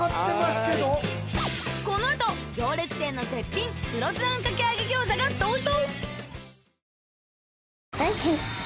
この後行列店の絶品黒酢あんかけ揚げ餃子が登場！